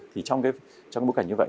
thì trong cái bức cảnh như vậy